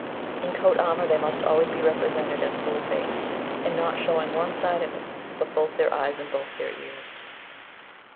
"In coat armour they must always be represented as full faced, and not showing one side of it, but both their eyes and both their ears.